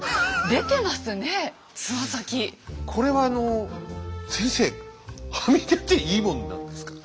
これはあの先生はみ出ていいもんなんですか？